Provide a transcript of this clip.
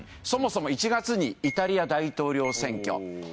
そもそも１月にイタリア大統領選挙。